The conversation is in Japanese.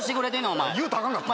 お前言うたらアカンかった？